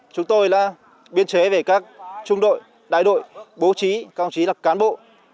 chúng tôi đã biên chế về các trung đội đại đội bố trí các ông chí là cán bộ